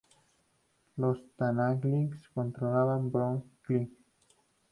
Los Tattaglia controlaban Brooklyn.